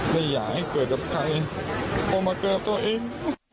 ไม่อยากให้เกิดชั้นตัวตัวเอง